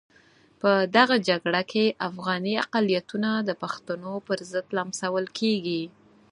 په دغه جګړه کې افغاني اقلیتونه د پښتنو پرضد لمسول کېږي.